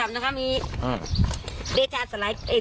มีสามสี่คนที่ทำนะครับมี